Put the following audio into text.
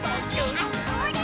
あ、それっ！